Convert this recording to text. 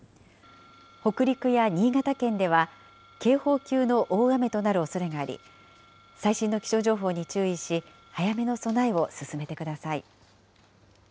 北陸や新潟県では警報級の大雨となるおそれがあり、最新の気象情報に注意し、早めの備えを進めてください。